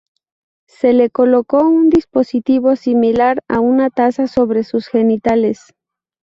Se le colocó un dispositivo similar a una taza sobre sus genitales.